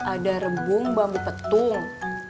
ada rebung bambu petung